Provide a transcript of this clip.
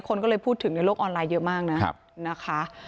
คนก็เลยพูดถึงในโลกออนไลน์เยอะมากนะนะคะ